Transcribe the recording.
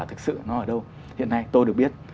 thực sự nó ở đâu hiện nay tôi được biết